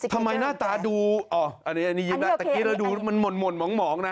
ทำไมหน้าตาดูอ้ออันนี้ยินแล้วแต่กินแล้วดูมันหม่อนหมองนะ